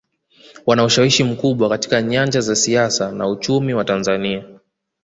Wana ushawishi mkubwa katika nyanja za siasa na uchumi wa Tanzania